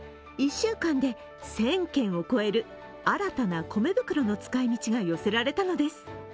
１週間で１０００件を超える新たな米袋の使い道が寄せられたのです。